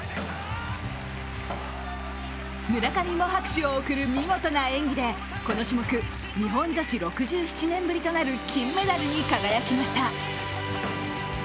村上も拍手を送る見事な演技でこの種目、日本女子６７年ぶりとなる金メダルに輝きました。